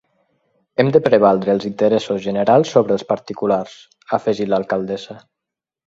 “Hem de prevaldre els interessos generals sobre els particulars” ha afegit l’alcaldessa.